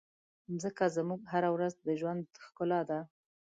مځکه زموږ هره ورځ د ژوند ښکلا ده.